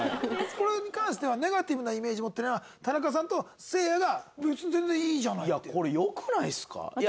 これに関してはネガティブなイメージ持ってないのは田中さんとせいやが別に全然いいじゃないって。